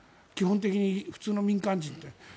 基本的に普通の民間人では。